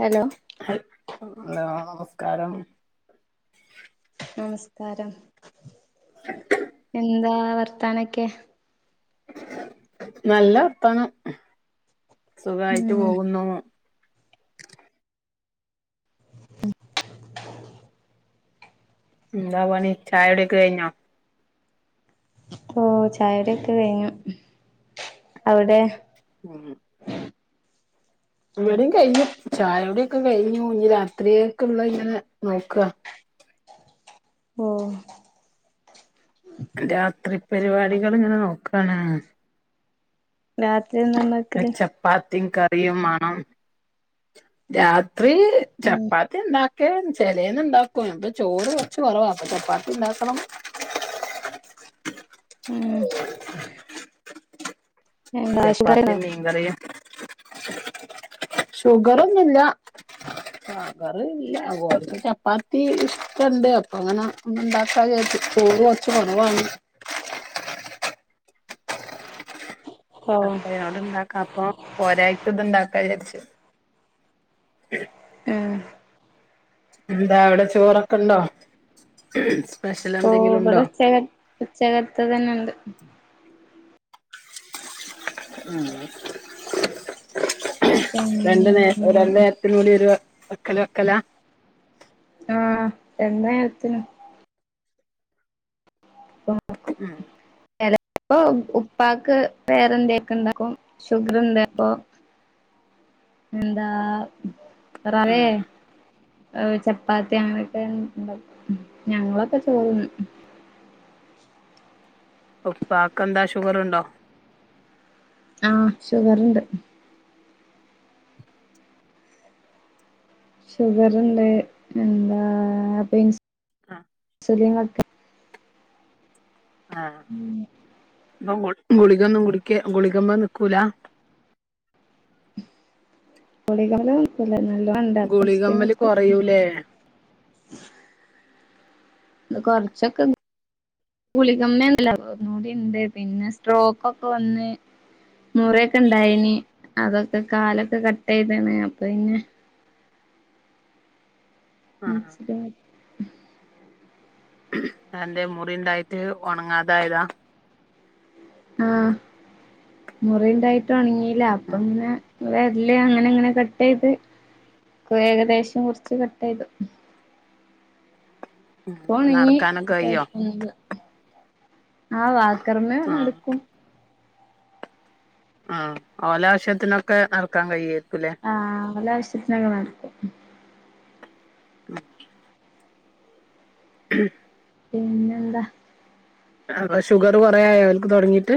Hello hello നമസ്കാരം നമസ്കാരം എന്താ വർത്താനൊക്കെ നല്ല വർത്താനം സുഖമായിട്ട് ഉം പോകുന്നു [unintelligible] എന്താ പണി ചായകുടയക്കെ കഴിഞ്ഞോ ഓ ചായകുടിയൊക്കെ കഴിഞ്ഞു അവിടെ ഉം ഇവിടെയും കഴിഞ്ഞു ചായകുടിക്കെ കഴിഞ്ഞു ഇനി രാത്രിയൊക്കെള്ളെ ഇങ്ങനെ നോക്കുക ഓ രാത്രി പരിപാടികൾ ഇങ്ങനെ നോക്കാണ് രാത്രി എന്താ ഉണ്ടാക്കി ചപ്പാത്തിയും കറിയും മാണം രാത്രി ഉം ചപ്പാത്തി ഇണ്ടാക്ക ചെലന്ന് ഇണ്ടാക്കും ഇപ്പം ചോറ് കൊറച്ച കൊറവ ചപ്പാത്തി ഉണ്ടാക്കണം ഉം എന്താ ഷുഗറുണ്ടോ ചപ്പാത്തിയും മീൻകറിയും ഷുഗറൊന്നുല്ല ഷുഗറ് ഇല്ല ഓളക്ക് ചപ്പാത്തി ഇഷ്ടുണ്ട് അപ്പ അങ്ങനെ ഒന്ന് ഇണ്ടാക്കാവിചാരിച്ചു ചോർ വ- [unintelligible] ഓ ഉം അപ്പൊ ആയിനോട് ഇണ്ടാക്കാം അപ്പൊ ഒരായിട്ട് ഇത് ഇണ്ടാക്കാ വിചാരിച്ചു ഉം എന്താ അവിടെ ചോറൊക്കെ ഉണ്ടോ സ്പെഷ്യൽ എന്തെങ്കിലും ഉണ്ടോ ഉച്ചകത്തത് തന്നെയ ഉണ്ട് ഉം രണ്ട് നേരം രണ്ട് പിന്നെ നേരത്തീനുകൂടിഒരുവെക്കല് വെക്കലാ വക്കല ആഹ എന്നെരാത്തിനു വഹ ഉം ചിലപ്പൊ ഉപ്പക്ക് വേറെ എന്തൊക്കെ ഉണ്ടാക്കും ഷുഗർന്ത ഇപ്പൊ എന്താ [inaudible] ആഹ് ചപ്പാത്തി അങ്ങനെയൊക്കെണ്ട ഞങ്ങളൊക്കെ ചോറ് തിന്നും ഉപാക്കന്താ ഷുഗർുണ്ടോ ആഹ ഷുഗർണ്ട് ഷുഗർണ്ട് എന്താ പെയിൻസ് അഹ് [unintelligible] ആഹ് ഉം ഇപ്പൊ ഗുളികൊന്നും കുടിക്ക ഗുളികെമ്മെ നിക്കൂല [unintelligible] പറയൂലേ അത് കുറച്ചൊക്കെ ഇത് ഗുളികമ്മല്ല ഒ കൂടി ഉണ്ട് പിന്നെ സ്ട്രോക്കൊക്കെ വന്ന് മുറൊക്കെ ഇണ്ടായിന് അതൊക്കെ കാലൊക്കെ കട്ട് ചെയ്താണ് അപ്പൊ പിന്നെ ആഹ് [unintelligible] അതെന്തേ മുറി ഉണ്ടായിട്ട് ഉണങ്ങാതായതാ ആഹ് മുറിണ്ടായിട്ട് ഒണങ്ങില്ല അപ്പ പിന്നെ വിരല് അങ്ങനെ അങ്ങനെ കട്ട് ചെയ്ത് ഏകദേശം കുറച്ച് കട്ട് ചെയ്തു ഇപ്പൊ ഉണങ്ങി നടക്കാനൊക്കെ കയ്യോ കുഴപ്പൊന്നുമില്ല ആഹ് വാക്കറുമ്മേ ആഹ് നടക്കും ആഹ് ഓലാ ആവശ്യത്തിനൊക്കെ നടക്കാൻ കഴിയാരിക്കുംല്ലേ ആഹ് ഓല ആവശ്യത്തിനൊക്കെ നടക്കും ഉം [inaudible] പിന്നെ എന്താ അപ്പൊ ഷുഗർ കൊറെയായൊ ഓൽക്ക് തുടങ്ങിയിട്ട്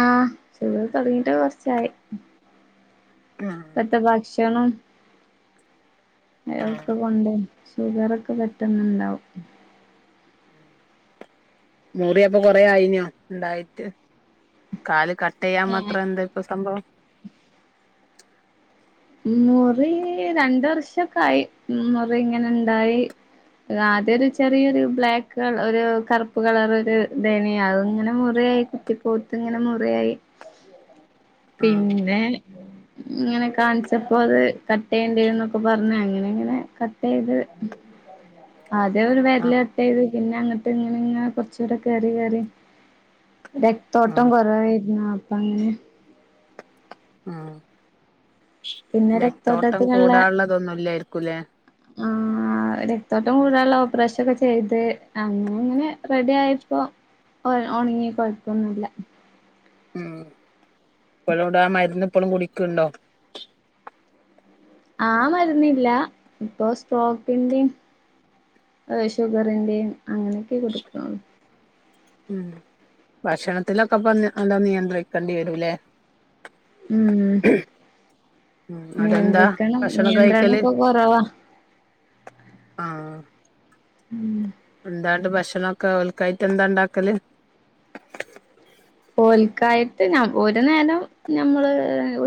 ആഹ് ഷുഗർ തുടങ്ങിയിട്ട് കുറച്ചായി ആഹ് ഇപ്പത്തെ ഭക്ഷണം അതൊക്കെ കൊണ്ട് ഷുഗറൊക്കെ പെട്ടെന്നുണ്ടാവും മുറിയപ്പൊ കൊറെയായിനോ ഉണ്ടായിട്ട് കാല് കട്ട് ചെയ്യാൻ മാത്രം എന്താ ഇപ്പ സംഭവം മുറി രണ്ട് വർഷൊക്കെ ആയി മുറി ഇങ്ങനെ ഇണ്ടായി ആദ്യ ഒരു ചെറിയൊരു ബ്ലാക്ക് ഒരു കറുപ്പ് കളർ ഒരു ഇതനെയ അത് ഇങ്ങനെ മുറി ആയി ത്തി പോത്ത് ഇങ്ങനെ മുറിയായി ആഹ് പിന്നെ ഇങ്ങനെ കാണിച് അപ്പോ അത് കട്ട് ചെയ്യേണ്ടന്നൊക്കെ പറഞ്ഞ അങ്ങനെ അങ്ങനെ കട്ട് ചെയ്ത് ആദ്യം ഒരു വിരലു ആഹ് കട്ട് ചെയ്ത് പിന്നെ അങ്ങട്ട് ഇങ്ങനെ ഇങ്ങനെ കൊറച്ചുകൂടെ കേറി കേറി രക്തോട്ടം ആഹ് കുറവായിരുന്നു അപ്പൊ അങ്ങനെ ആ പിന്നെ രക്തോട്ടം രക്തോട്ടത്തിനുള്ള കൂടാനുള്ളതൊന്നുമല്ലായിരിക്കൂല്ലേ ആഹ് ആ രക്തോട്ടം കൂടാനുള്ള ഓപ്പറേഷൻ ഒക്കെ ചെയ്ത് അങ്ങനെ ഇങ്ങനെ റെഡി ആയിപ്പോ ഉണങ്ങി കുഴപ്പൊന്നുമില്ല ഉം ഇപ്പോളും ഇവിട ആ മരുന്ന് ഇപ്പോളും കുടിക്കണ്ടോ ആ മരുന്നില്ല ഇപ്പൊ സ്ട്രോക്കിന്റെയും ഷുഗറിന്റെയും അങ്ങനെയൊക്കെ കുടിക്കണുള്ളൂ ഉം ഭക്ഷണത്തിലൊക്കെ ഇപ്പ നല്ല നിയന്ത്രിക്കേണ്ടി വരൂല്ലേ ഉം ഉം അതെന്താ നിയന്ത്രിക്കണം ഭക്ഷണം നിയന്ത്രണം കഴിക്കല് ഇപ്പൊ കൊറവാ ആഹ് ഉം എന്താണ്ട് ഭക്ഷണൊക്കെ ഓൽക്കായിട്ട് എന്താ ഉണ്ടാക്കല് ഓൽക്കായിട്ട് ഞ ഒരു നേരം ഞമ്മള്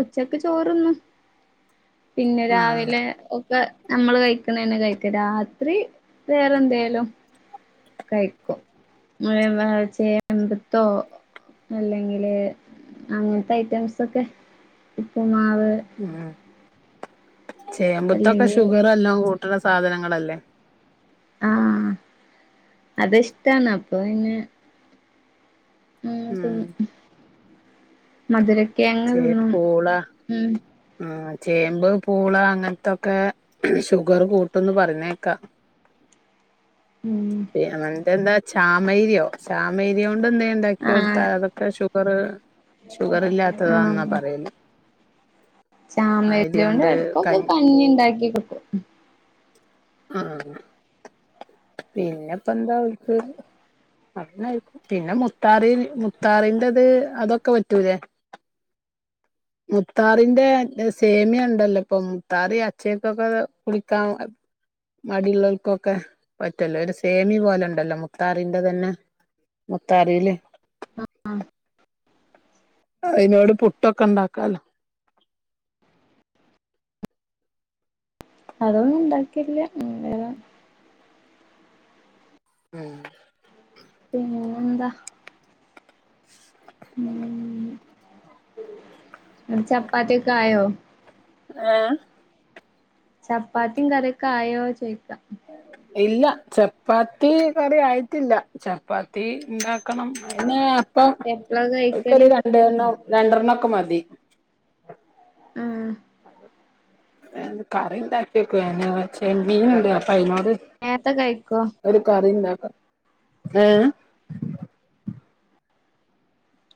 ഉച്ചക്ക് ചോറുണ്ണും പിന്നെ ആഹ് രാവിലെ നമ്മള് കഴിക്കണ തന്നെ കഴിക്ക രാത്രി വേറെ എന്തേലും കഴിക്കും ചേമ്പ്ത്തോ അല്ലെങ്കില് അങ്ങനത്തെ ഐറ്റംസ് ഒക്കെ ഉപ്പുമാവ് ഉം ചേമ്പ്ത്തൊക്കെ അല്ലെങ്കി ഷുഗറ എല്ലാം കൂട്ടണ സാധനങ്ങളല്ലേ ആഹ് അത് ഇഷ്ടാണ് അപ്പൊ പിന്നെ ഉം തിന്നും മധുരകെയങ്ങ് തിന്നും ഉം ആഹ് ചേമ്പ് പൂള അങ്ങനത്തൊക്കെ ഷുഗർ കൂട്ടുംന്ന് പറഞ്ഞേക്കാ ഉം [unintelligible] എന്താ ചാമയരിയൊ ചാമയരി കൊണ്ട് എന്താ ഉണ്ടാക്കി കൊടുത്താൽ ആഹ് അത [unintelligible] ഷുഗറ് ഷുഗറ് ഇല്ലാത്തതാന്നാ പറയുന്നേ ചാമയരികൊണ്ട് എടകൊക്കെ കഞ്ഞി ഇണ്ടാക്കി കൊടുക്കും ആഹ് പിന്നെ ഇപ്പ എന്താ ഓൽക്ക് ആഹ് പിന്നെ മുത്താറി മുത്താറിൻ്റത് അതൊക്കെ പറ്റൂലേ മുത്താറി ന്റെ സേമിയണ്ടല്ലോ ഇപ്പൊ മുത്താറി അച്ചക്കൊക്കെ കുളിക്കാൻ മടിയിള്ളോൽക്കൊക്കെ പറ്റുവല്ലോ ഒരു സേമി പോലെ ഉണ്ടല്ലോ മുത്താറിൻ്റെ തന്നെ മുത്താറില് അതിനോട് പുട്ടൊക്കെ ണ്ടാക്കാലോ അതൊന്നും ഉണ്ടാക്കിട്ടില്ല [unintelligible] ഉം പിന്നെന്താ ഉം അവിടെചപ്പാത്തിയൊക്കെ ആയോ ഏഹ് ചപ്പാത്തിം കറിക്കെ ആയോ ചോയിക്ക ഇല്ല ചപ്പാത്തി കറി ആയിട്ടില്ല ചപ്പാത്തി ഇണ്ടാക്കണം [unintelligible] ഇപ്പൊ എപ്പളാ കഴിക്കല് [unintelligible] രണ്ടണ്ണം രണ്ടെണ്ണം ഒക്കെ മതി ആഹ് കറിയുണ്ടാക്കിവെക്കുവാ [unintelligible] ചെമ്മീൻ ഇണ്ട് അപ്പ അയിനോട് നേരത്തെ കഴിക്കോ ഒരു കറിഇണ്ടാക്കാം ഏഹ്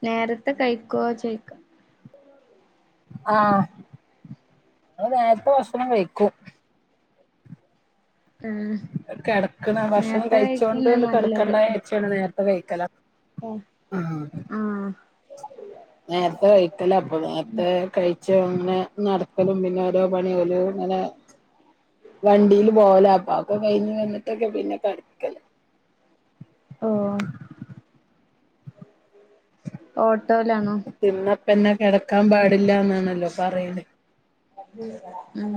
നേരത്തെ കഴിക്കുവോ ചോയിക്ക ആഹ് അങ്ങള് നേരത്തെ ഭക്ഷണം കഴിക്കും ആഹ് കെടക്കണ ഭക്ഷണം നേരത്തെ കഴിച്ചോണ്ട് കഴിക്കന്നെ ണ്ട് നല്ലത് കെടക്കണ്ട [unintelligible] നേരത്തെ കഴിക്കല ആഹ് ആഹ് നേരത്തെ കഴിക്കലാ അപ്പൊ നേരത്തെ കഴിച്ച ഒന്ന് നടത്തലും പിന്നെ ഓരോ പണി [unintelligible] അങ്ങനെ വണ്ടീല് പോകല അപ്പ അതൊക്കെ കഴിഞ്ഞ് വന്നിട്ടൊക്കെ പിന്നെ കെടക്കല് ഓഹ് ഓട്ടോയിലാണോ തിന്നപ്പന്നെ കെടക്കാൻ പാടില്ലാന്നാണല്ലോ പറയൽ ഉം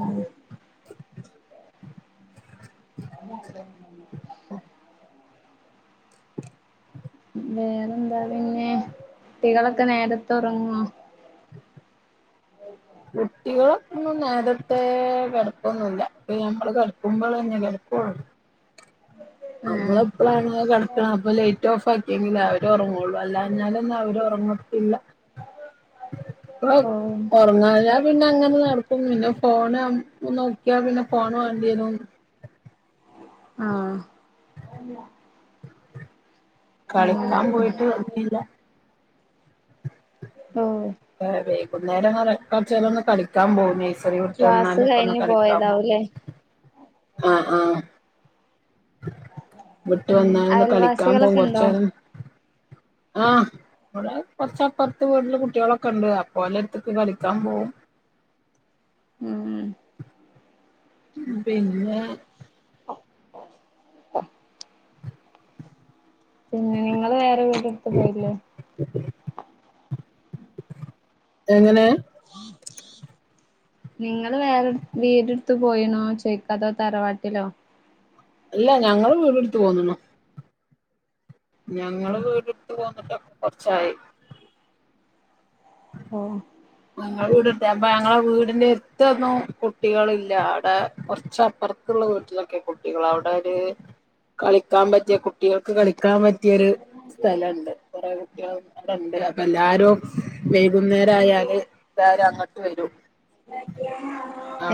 വേറെ എന്താ പിന്നെ കുട്ടികളൊക്കെ നേരത്തെ ഒറങ്ങോ കുട്ടികളൊന്നും നേരത്തെ കെടക്കോന്നുല്ല ഞമ്മള് കെടക്കുമ്പോളന്നെ കെടക്കുള്ളു ആഹ് നമ്മളെപ്പളാണോ കെടക്ക്‌ണെ അപ്പം ലൈ റ്റ്‌ ഓഫാക്കിയെങ്കിലേ അവര് ഒർങ്ങുള്ളൂ അല്ലാഞ്ഞാലൊന്നും അവര് ഒർങ്ങത്തില്ല [inaudible] ഓഹ് [unintelligible] ഒറങ്ങാഞ്ഞാ പിന്നെ അങ്ങനെ നടക്കും പിന്നെ ഫോൺ നോക്കിയാ പിന്നെ ഫോൺ വേണ്ടിവരും ആഹ് അങ്ങനെ കളിക്കാൻ പോയിട്ട് വന്നില്ല ഉം വൈകുന്നേരങ്ങളിൽ കോർച്ചേരം ഒന്ന് കളിക്കാൻ പോകും നേഴ്സറി വിട്ട് ക്ലാസ് വന്നാലൊക്കെ ഒന്ന് കഴിഞ്ഞ് കളിക്കാൻ പോകും പോയതാവൂല്ലേ ആഹ് ആഹ് വിട്ട് ഉം വന്നാണ്ട് കളിക്കാൻ പോകും അയൽവാസികളൊക്കെ ഉണ്ടോ കൊർച്ചേരം ആഹ് ഇവിടെ കൊർച്ച് അപ്പർത്ത് വീട്ടില് കുട്ടികളൊക്കണ്ട് അപ്പോ ഓലെട്ത്ത്ക്ക് കളിക്കാൻ പോകും ഉം ഉം ഉം പിന്നെ [inaudible] പിന്നെ നിങ്ങൾ വേറെ വീടെടുത്ത് പോയില്ലേ എങ്ങനെ നിങ്ങള് വേറെ വീടെടുത്ത് പോയിണോ ചോയിക്ക അതോ തറവാട്ടിലോ അല്ല ഞങ്ങളും വീട് എടുത്തു പോന്നുണു ഞങ്ങള് വീട് എട്ത്ത് പോന്നിട്ടൊക്കെ കൊർച്ചായി ആഹ് ഞങ്ങള് വീട് എടുത്തേ അപ്പോ ഞങ്ങള വീടിന്റെ എട്ത്തൊന്നും കുട്ടികൾ ഇല്ല അവിടെ കൊർച്ചപ്പർ ത്തുള്ള വീട്ടിലൊക്കെ കുട്ടികളാ അവിടൊരു കളിക്കാൻ പറ്റിയ കുട്ടികൾക്ക് കളിക്കാൻ പറ്റിയൊര് സ്ഥലണ്ട് കോറെ കുട്ടിയോളോക്കെണ്ട് അപ്പോ എല്ലാരും വൈകുന്നേരായാല് എല്ലാരും അങ്ങട്ട് വരും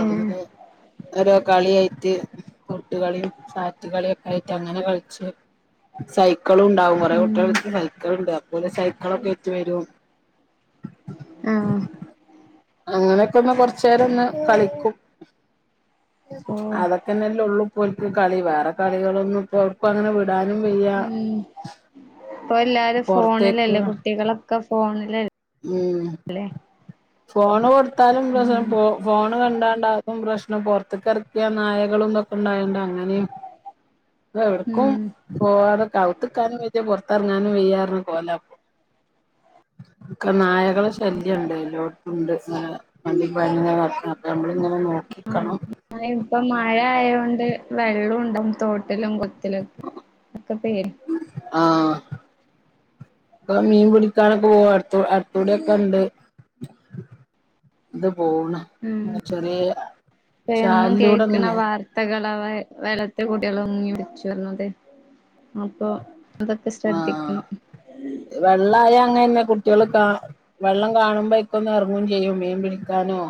ഉം ഉം ഓരോ കളിയായിട്ട് തൊട്ട് കളിയും സാറ്റ് കളിയോക്കെ ആയിട്ട് അങ്ങനെ കളിച്ച് സൈക്കളുണ്ടാവും കോറെ ഉം കുട്ടയെളെട്ത്ത് സൈക്കള്ണ്ട് അപ്പോല് സൈക്കളൊക്കെ ആയിട്ട് വരും ആഹ് അങ്ങനൊക്കെ ഒന്ന് കൊർച്ചെരം ഒന്ന് കളിക്കും ഓ അതൊക്കെന്നെല്ലേ ഉള്ളു ഇപ്പോൽക്ക് കളി വേറെ കളികളൊന്നും ഇപ്പോ അവർക്കും അങ്ങനെ വീ കാനും വയ്യ ഉം ഇപ്പോ എല്ലാരും പൊറത്തേക്ക് ഫോണിലല്ലേ കുട്ടികളൊക്കെ ഫോണിലല്ലേ ഉം ഫോണ് കൊട്ത്താലും പ്രശ്നം ഉം ഫോ ഫോണ് കണ്ടാണ്ട് അതും പ്രശ്നം പൊറത്ത്ക്ക്‌ എർ ക്യാ നായകളും തോക്കണ്ടായോണ്ട് അങ്ങനിം [inaudible] പ്പോ എവ്ട്ക്കും ഉം പോവാതെ അകത്ത്ക്കാനും വെയ്യാ പൊർത്ത് എറങ്ങാനും വെയ്യാന്ന് പറഞ് പോല ഒക്ക നായകളെ ശല്ല്യണ്ട് എല്ലോട്ത്തുണ്ട് നാള. മണ്ടി പാഞ്ഞ് ഇങ്ങെനെ നടക്ക അപ്പോ നമ്മൾ ഇങ്ങനെ നോക്കിക്കണം. ഇപ്പോ മഴ ആയകോണ്ട്. വെള്ളോണ്ടാവും തോട്ടിലും കൊളത്തിലും ഒക്കെ. ഒക്കെ പേര് ആഹ് അപ്പൊ മീൻ പിടിക്കാനൊക്കെ പോവാ അടുത്തു അടുത്തൂടെക്കെ ഉണ്ട്. ഇത് പോണ് ഉം ചെറിയ ചാലൂടെ ഇങ്ങനെ. കള വെള്ളത്തിൽ കുട്ടികൾ മുങ്ങിമരിചു എന്ന് പറഞ്ഞുകൊണ്ട്. അപ്പൊ അതൊക്കെ ആഹ് ശ്രദ്ധിക്കണം. വെള്ളായ അങ്ങനന്നെ കുട്ടിള് ക്ക വെള്ളം കാണുമ്പോ ആയിക് ക്കെ ഒന്ന് ഇറങ്ങും ചെയ്യും മീൻ പിടിക്കാനും.